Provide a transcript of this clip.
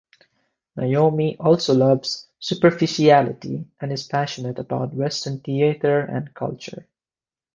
Naomi also loves superficiality and is passionate about Western theatre and culture.